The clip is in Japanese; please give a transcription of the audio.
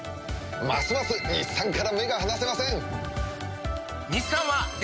ますます日産から目が離せません！